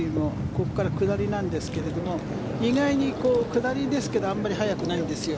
ここから下りなんですが意外に、下りですけどあまり速くないんですよ